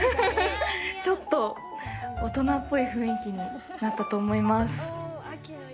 ちょっと大人っぽい雰囲気になったと思います。